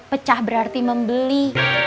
pecah berarti membeli